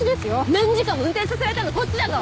何時間も運転させられたのはこっちだぞ！